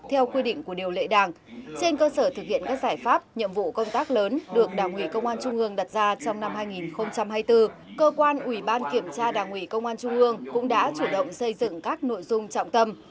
trên cơ sở thực hiện các giải pháp nhiệm vụ công tác lớn được đảng ủy công an trung ương đặt ra trong năm hai nghìn hai mươi bốn cơ quan ủy ban kiểm tra đảng ủy công an trung ương cũng đã chủ động xây dựng các nội dung trọng tâm